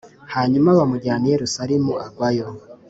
Hanyuma bamujyana i Yerusalemu agwayo.